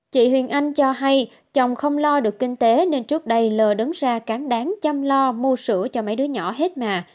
chị huyền anh cho hay chồng không lo được kinh tế nên trước đây lờ đứng ra cán đáng chăm lo mua sữa cho máy đứa nhỏ hết mà